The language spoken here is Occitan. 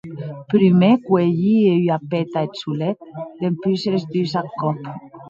Prumèr cuelhie ua peta eth solet, dempús es dus ath còp.